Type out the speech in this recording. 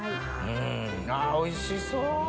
あおいしそう！